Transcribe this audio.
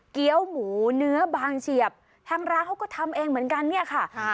เกี้ยวหมูเนื้อบางเฉียบทางร้านเขาก็ทำเองเหมือนกันเนี่ยค่ะ